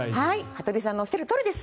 羽鳥さんのおっしゃるとおりです